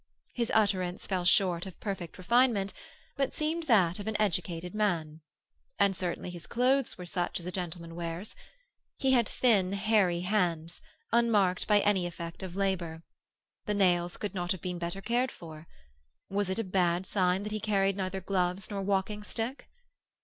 His utterance fell short of perfect refinement, but seemed that of an educated man. And certainly his clothes were such as a gentleman wears. He had thin, hairy hands, unmarked by any effect of labour; the nails could not have been better cared for. Was it a bad sign that he carried neither gloves nor walking stick?